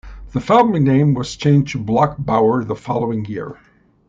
The family name was changed to Bloch-Bauer the following year.